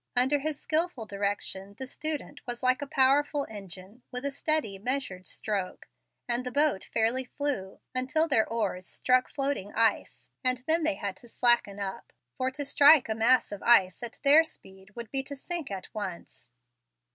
Under his skilful direction the student was like a powerful engine, with a steady, measured stroke, and the boat fairly flew, until their oars struck floating ice, and then they had to slacken up, for to strike a mass of ice at their speed would be to sink at once.